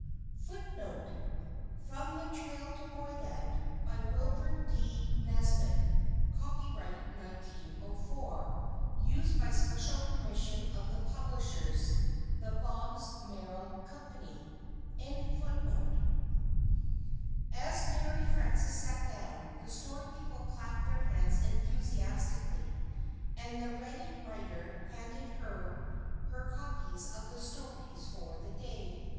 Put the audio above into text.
[C] [C] From the "Trail to Boyland," by Wilbur D. Nesbit, Copyright 1904. Used by special permission of the publishers, The Bobbs Merrill Company. As Mary Frances sat down, the Story People clapped their hands enthusiastically; and the Ready Writer handed her her copies of the stories for the day.